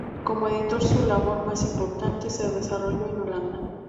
Como editor, su labor más importante se desarrolló en Holanda.